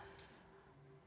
demokrasi tidak menolak